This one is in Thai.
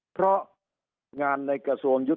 สุดท้ายก็ต้านไม่อยู่